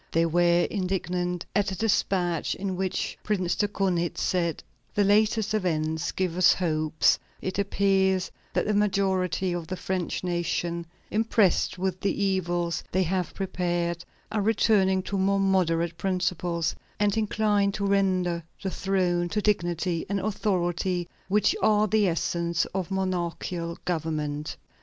They were indignant at a despatch in which Prince de Kaunitz said: "The latest events give us hopes; it appears that the majority of the French nation, impressed with the evils they have prepared, are returning to more moderate principles, and incline to render to the throne the dignity and authority which are the essence of monarchical government."